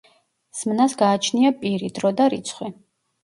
ზმნას გააჩნია პირი, დრო და რიცხვი.